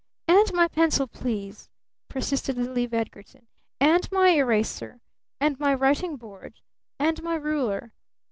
"And my pencil, please," persisted little Eve Edgarton. "And my eraser. And my writing board. And my ruler.